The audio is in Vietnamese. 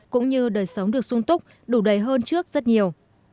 cũng như đời sống được sung túc đủ đầy hơn trước rất nhiều